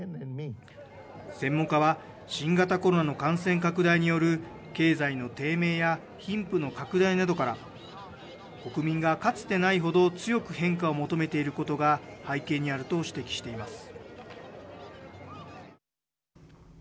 専門家は新型コロナの感染拡大による経済の低迷や貧富の拡大などから国民が、かつてないほど強く変化を求めていることが背景にあると指摘しています。